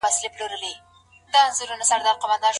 که ډېر خيرونه ترلاسه کول ممکن نه وي څه پکار دي؟